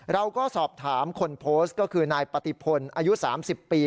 เราก็สอบถามคนโพสต์ก็คือนายปฏิพลอายุ๓๐ปี